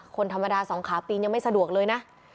คนธรรมดาสองขาปีนยังไม่สะดวกเลยนะ